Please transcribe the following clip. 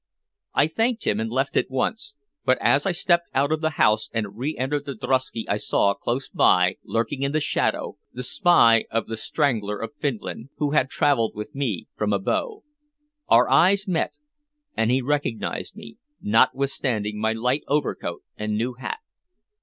I thanked him and left at once, but as I stepped out of the house and re entered the drosky I saw close by, lurking in the shadow, the spy of "The Strangler of Finland," who had traveled with me from Abo. Our eyes met, and he recognized me, notwithstanding my light overcoat and new hat.